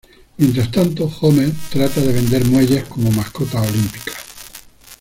Mientras tanto, Homer trata de vender muelles como mascotas olímpicas.